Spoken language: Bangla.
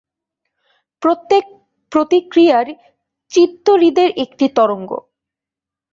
প্রত্যেক প্রতিক্রিয়াই চিত্তহ্রদের একটি তরঙ্গ।